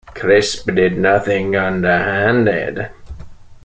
Crisp did nothing underhanded.